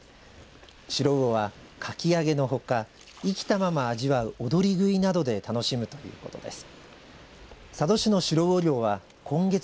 シロウオは、かき揚げのほか生きたまま味わうおどり食いなどで楽しむということです。